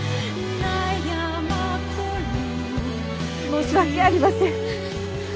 申し訳ありません。